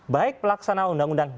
baik pelaksanaan undang undang